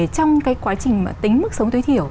trong cái quá trình tính mức sống tối thiểu